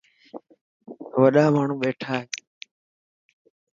وڏا ماڻهو ٻيٺا هي.